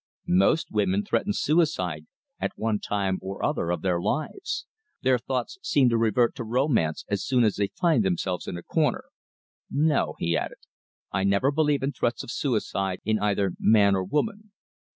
"Most women threaten suicide at one time or other of their lives. Their thoughts seem to revert to romance as soon as they find themselves in a corner. No," he added. "I never believe in threats of suicide in either man or woman.